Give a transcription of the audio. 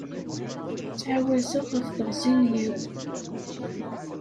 Ttɛawazeɣ ɣef teɣzi n yiḍ.